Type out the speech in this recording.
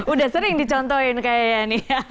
udah sering dicontohin kayaknya nih ya